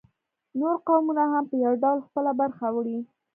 نور قومونه هم په یو ډول خپله برخه وړي